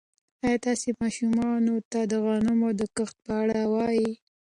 ایا تاسي ماشومانو ته د غنمو د کښت په اړه وایئ؟